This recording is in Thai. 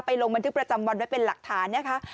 ลงบันทึกประจำวันไว้เป็นหลักฐานนะคะ